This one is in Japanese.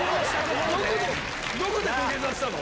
どこで土下座したの？